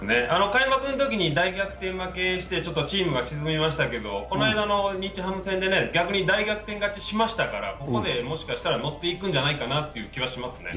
開幕のときに大逆転負けしてちょっとチームが沈みましたけど、この間の日ハム戦で逆に大逆転勝ちしましたからここでもしかしたら乗っていくんじゃないかなという気はしますね。